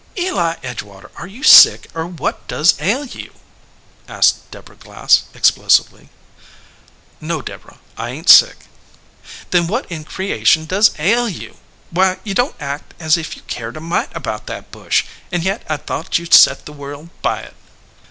"Eli Edgewater, are you sick, or what does ail you?" asked Deborah Glass, explosively. "No, Deborah, I ain t sick." "Then what in creation does ail you? Why, you don t act as if you cared a mite about that bush, and yet I d thought you set the world by it."